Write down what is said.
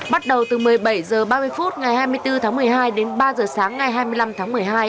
bắt đầu từ một mươi bảy h ba mươi phút ngày hai mươi bốn tháng một mươi hai đến ba h sáng ngày hai mươi năm tháng một mươi hai